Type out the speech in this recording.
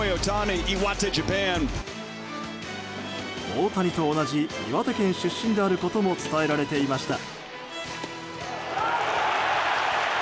大谷と同じ岩手県出身であることも伝えられていました。